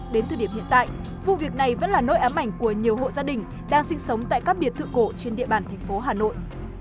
đến thời điểm hiện tại vụ việc này vẫn là nỗi ám ảnh của nhiều hộ gia đình đang sinh sống tại các biệt thự cổ trên địa bàn thành phố hà nội